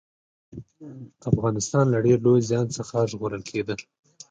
افغانستان له ډېر لوی زيان څخه ژغورل کېده